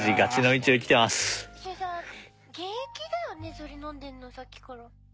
それ飲んでるのさっきから。